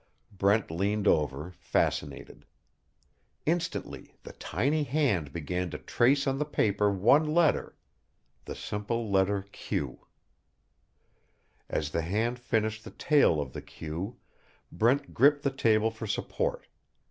Brent leaned over, fascinated. Instantly the tiny hand began to trace on the paper one letter the simple letter "Q." As the hand finished the tail of the "Q" Brent gripped the table for support.